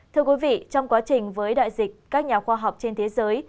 thưa quý vị trong quá trình với đại dịch các nhà khoa học trên thế giới